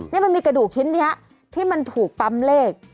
นี่มันมีกระดูกชิ้นนี้ที่มันถูกปั๊มเลข